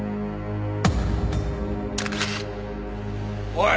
おい！